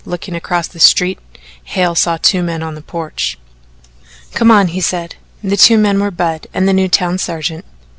Looking across the street Hale saw two men on the porch. "Come on!" he said. The two men were Budd and the new town sergeant.